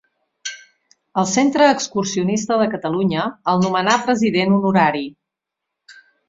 El Centre Excursionista de Catalunya el nomenà president honorari.